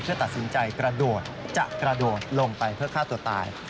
เพื่อตัดสินใจกระโดดจะกระโดดลงไปเพื่อฆ่าตัวตาย